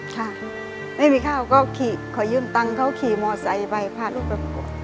ค่ะไม่มีข้าวก็ขอยืมตังค์เขาขี่มอไซค์ไปพาลูกประกบ